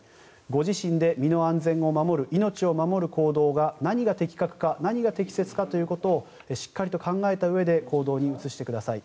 ご自身で身の安全を守る命を守る行動が何が的確か何が適切かということをしっかり考えたうえで行動に移してください。